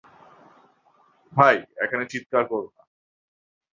ভাই, এখানে চিৎকার করো না।